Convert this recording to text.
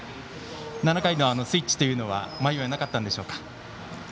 ７回のスイッチというのは迷いはなかったんでしょうか。